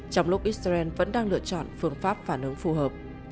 trong lúc israel vẫn đang lựa chọn phương pháp phản ứng phù hợp